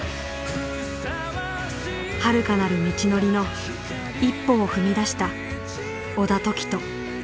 はるかなる道のりの一歩を踏み出した小田凱人。